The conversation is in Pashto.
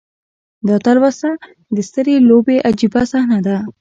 دا تلوسه د سترې لوبې عجیبه صحنه ده.